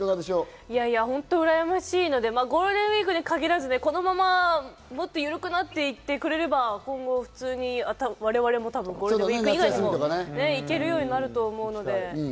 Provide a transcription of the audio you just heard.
うらやましいので、ゴールデンウイークに限らず、このままもっとゆるくなっていってくれれば今後、普通に我々もゴールデンウイーク以外でも行けるようになると思うので。